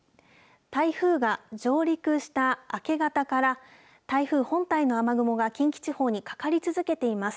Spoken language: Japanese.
台風が上陸した明け方から台風本体の雨雲が近畿地方にかかり続けています。